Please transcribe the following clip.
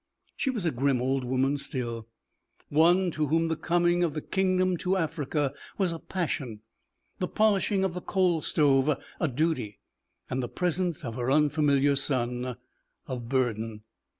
She was a grim old woman still, one to whom the coming of the kingdom to Africa was a passion, the polishing of the coal stove a duty, and the presence of her unfamiliar son a burden.